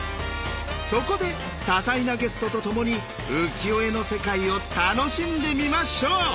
そこで多彩なゲストとともに浮世絵の世界を楽しんでみましょう！